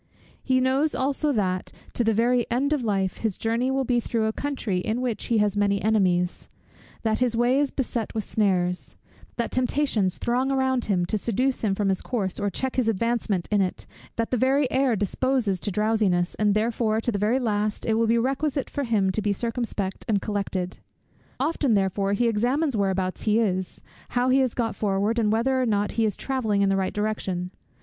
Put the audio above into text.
He knows also that, to the very end of life, his journey will be through a country in which he has many enemies; that his way is beset with snares; that temptations throng around him, to seduce him from his course or check his advancement in it; that the very air disposes to drowsiness, and that therefore to the very last it will be requisite for him to be circumspect and collected. Often therefore he examines whereabouts he is, how he has got forward, and whether or not he is travelling in the right direction.